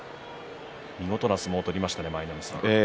見事な相撲を取りましたね